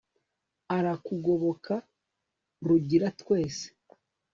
arakugoboka; rugira twese